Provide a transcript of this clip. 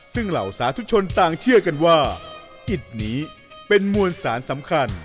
ซึ่งเหล่าสาธุชนต่างเชื่อกันว่าอิตนี้เป็นมวลสารสำคัญ